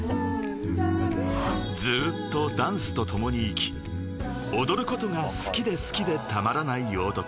［ずっとダンスと共に生き踊ることが好きで好きでたまらない男］